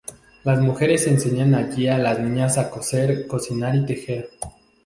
Las mujeres enseñan allí a las niñas a coser, cocinar y tejer.